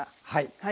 はい。